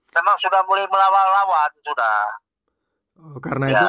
memang sudah mulai melawan lawan sudah